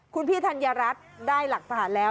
คุณพี่ธัญรัฐได้หลักฐานแล้ว